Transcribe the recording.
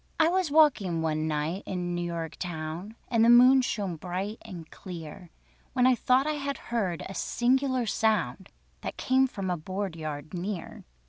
I was walking one night in New York town, And the moon shone bright and clear, When I thought I heard a singular sound That came from a board yard near.